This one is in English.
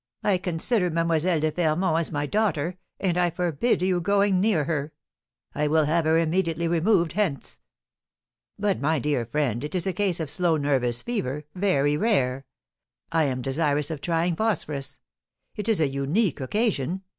I consider Mlle. de Fermont as my daughter, and I forbid you going near her; I will have her immediately removed hence." "But, my dear friend, it is a case of slow nervous fever, very rare; I am desirous of trying phosphorus. It is a unique occasion.